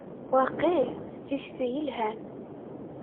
Waqil d tikti yelhan.